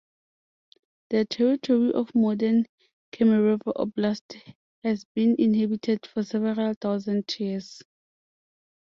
The territory of modern Kemerovo Oblast has been inhabited for several thousand years.